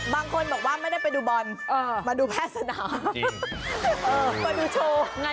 บางคนบอกว่าไม่ได้ไปดูบอลมาดูแพทย์สนาม